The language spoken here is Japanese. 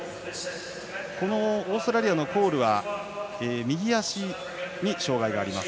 このオーストラリアのコールは右足に障がいがあります。